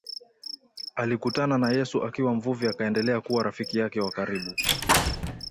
Alikutana na Yesu akiwa mvuvi akaendelea kuwa rafiki yake wa karibu